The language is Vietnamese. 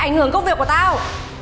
ảnh hưởng công việc của tao